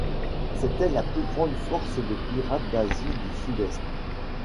C'était la plus grande force de pirate d'Asie du sud-est.